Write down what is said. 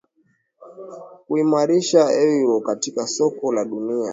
ya kuimarisha euro katika soko la dunia